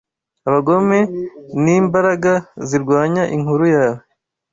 Abagome nimbaraga zirwanya inkuru yawe